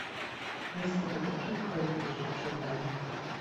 Niestety to wszystko jest jeszcze przed nami